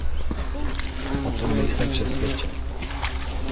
O tom nejsem přesvědčen.